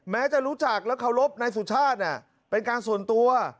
จะรู้จักและเคารพนายสุชาติเป็นการส่วนตัว